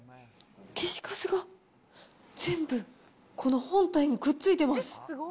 消しカスが全部この本体にくっついてます。